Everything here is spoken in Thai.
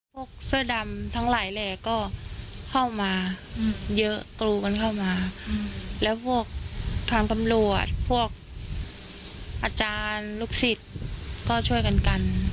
พวกเสื้อดำทั้งหลายแหล่ก็เข้ามาเยอะกรูกันเข้ามาแล้วพวกทางตำรวจพวกอาจารย์ลูกศิษย์ก็ช่วยกันกัน